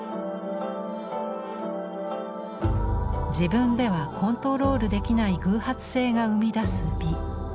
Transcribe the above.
自分ではコントロールできない偶発性が生み出す美。